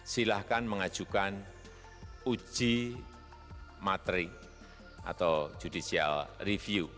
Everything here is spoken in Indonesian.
silahkan mengajukan uji materi atau judicial review